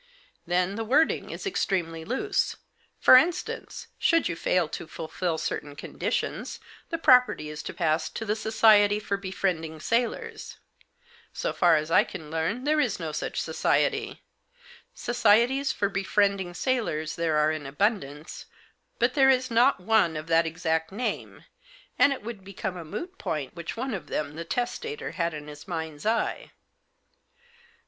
Then the wording is extremely loose. For instance, should you fail to fulfil certain conditions, the property is to pass to the Society for Befriending Sailors. So far as I can learn there is no such society. Societies for befriending sailors there are in abund ance, but there is not one of that exact name, and it would become a moot point which one of them the testator had in his mind's eye."